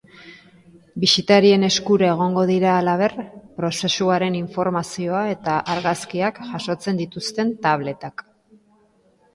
Bisitarien eskura egongo dira halaber prozesuaren informazioa eta argazkiak jasotzen dituzten tabletak.